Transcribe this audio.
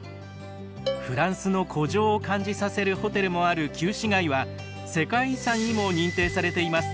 フランスの古城を感じさせるホテルもある旧市街は世界遺産にも認定されています。